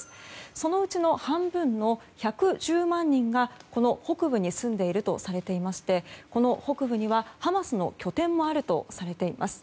そのうちの半分の１１０万人が北部に住んでいるとされていてこの北部にはハマスの拠点もあるとされています。